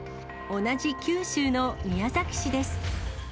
同じ九州の宮崎市です。